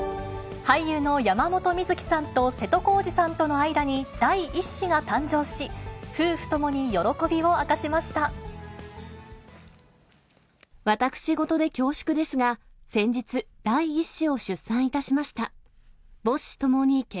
俳優の山本美月さんと瀬戸康史さんとの間に第１子が誕生し、私事で恐縮ですが、先日、第１子を出産いたしました。